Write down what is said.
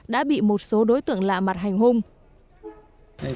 đã bị một số đối tượng lạ mặt hành hung